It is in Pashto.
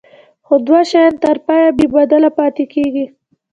خو دوه شیان تر پایه بې بدله پاتې کیږي.